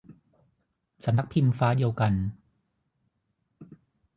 สำนักพิมพ์ฟ้าเดียวกัน